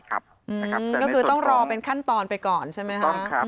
คุณหมอบ๊อบต้องรอเป็นขั้นตอนไปก่อนใช่ไม่ครับ